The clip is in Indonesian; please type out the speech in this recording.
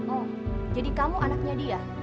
oh jadi kamu anaknya dia